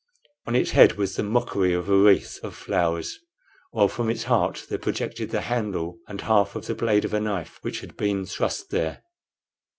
On its head was the mockery of a wreath of flowers, while from its heart there projected the handle and half of the blade of a knife which had been thrust there.